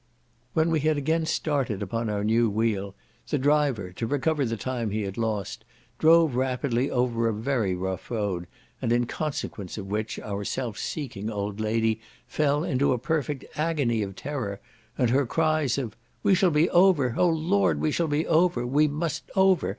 When we had again started upon our new wheel, the driver, to recover the time he had lost, drove rapidly over a very rough road, in consequence of which, our self seeking old lady fell into a perfect agony of terror, and her cries of "we shall be over! oh, Lord! we shall be over! we must over!